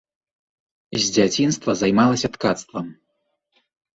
З дзяцінства займалася ткацтвам.